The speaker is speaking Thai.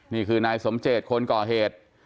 นี่คือนายสมเจตคนก่อเหตุ